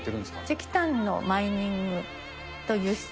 石炭のマイニングと輸出。